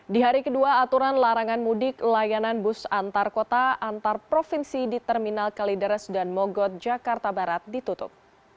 di hari kedua aturan larangan mudik layanan bus antar kota antar provinsi di terminal kalideres dan mogot jakarta barat ditutup